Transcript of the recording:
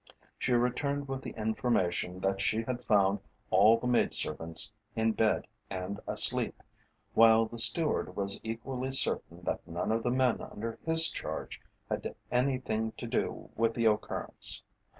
She returned with the information that she had found all the maid servants in bed and asleep, while the steward was equally certain that none of the men under his charge had anything to do with the occurrence.